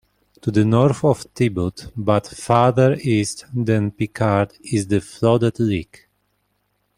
To the north of Tebbutt, but farther east than Picard, is the flooded Lick.